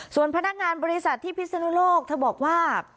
ส่วนพนักงานบริษัทที่พิศนุโลกเธอบอกว่า